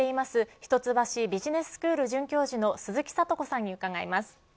一橋ビジネススクール准教授の鈴木智子さんに伺います。